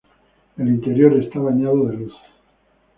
El interior está bañado de luz.